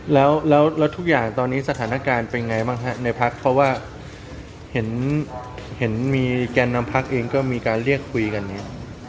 แล้วแล้วทุกอย่างตอนนี้สถานการณ์เป็นไงบ้างฮะในพักเพราะว่าเห็นมีแก่นนำพักเองก็มีการเรียกคุยกันเนี่ย